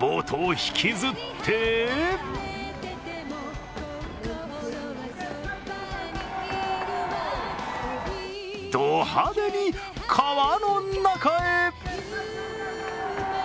ボートを引きずってド派手に川の中へ。